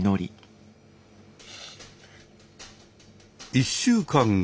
１週間後。